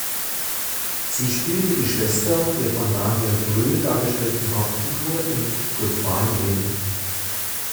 Sie spielte die Schwester der von Daniel Brühl dargestellten Hauptfigur in "Good Bye, Lenin!